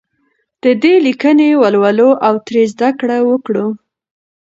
د ده لیکنې ولولو او ترې زده کړه وکړو.